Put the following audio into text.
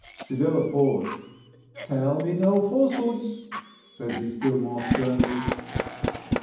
Sibella paused: 'Tell me no falsehoods,' said he still more sternly.